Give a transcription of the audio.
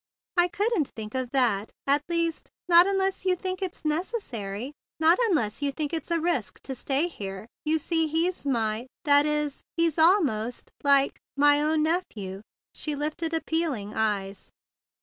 "I couldn't think of that—at least, not unless you think it's necessary—not unless you think it's a risk to stay here. You see he's my— that is, he's almost—like—my own nephew." She lifted appealing eyes.